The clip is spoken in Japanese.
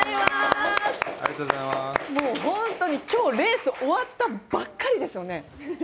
今日レース終わったばかりですよね。